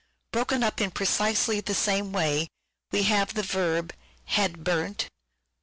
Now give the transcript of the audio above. Broken up in precisely the same way we have the verb, " had Burnt " (III.